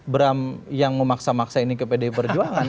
bram yang memaksa maksa ini ke pdi perjuangan